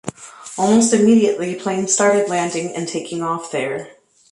Almost immediately, planes started landing and taking off there.